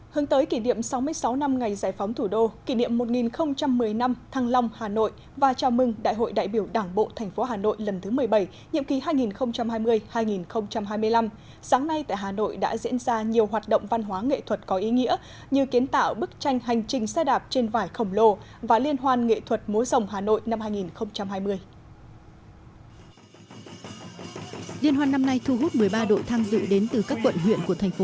hướng tới kỷ niệm sáu mươi sáu năm ngày giải phóng thủ đô kỷ niệm một nghìn một mươi năm thăng long hà nội và chào mừng đại hội đại biểu đảng bộ thành phố hà nội lần thứ một mươi bảy nhiệm kỳ hai nghìn hai mươi hai nghìn hai mươi năm